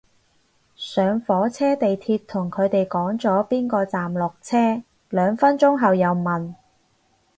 上火車地鐵同佢哋講咗邊個站落車，兩分鐘後又問